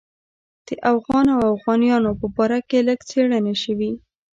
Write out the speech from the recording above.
د اوغان او اوغانیانو په باره کې لږ څېړنې شوې.